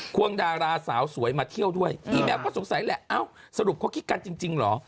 วงดาราสาวสวยมาเที่ยวด้วยพี่แมวก็สงสัยแหละเอ้าสรุปเขาคิดกันจริงเหรอ